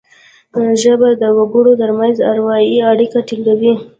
ژبه د وګړو ترمنځ اروايي اړیکي ټینګوي